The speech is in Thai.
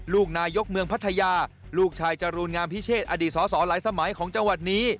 ลูกนายกเมืองพัทยาลูกชายจรูนงามพิเชษอดีตสอสอหลายสมัยของจังหวัดนี้